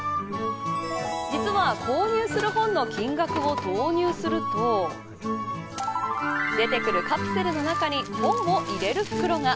実は購入する本の金額を投入すると出てくるカプセルの中に本を入れる袋が。